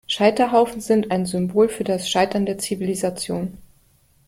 Scheiterhaufen sind ein Symbol für das Scheitern der Zivilisation.